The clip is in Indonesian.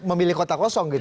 memilih kota kosong